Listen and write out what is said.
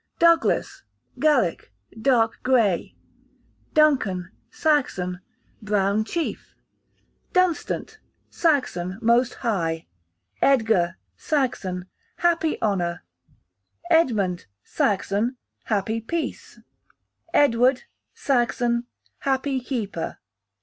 Douglas, Gaelic, dark grey. Duncan, Saxon, brown chief. Dunstan, Saxon, most high. Edgar, Saxon, happy honour. Edmund, Saxon, happy peace. Edward, Saxon, happy keeper.